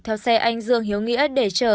theo xe anh dương hiếu nghĩa để chở